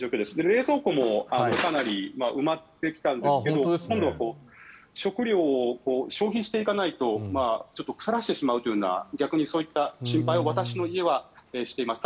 冷蔵庫もかなり埋まってきたんですが今度は食料を消費していかないとちょっと腐らせてしまうというような逆にそういった心配を私の家はしています。